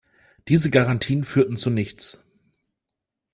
Diese Garantien führten zu nichts.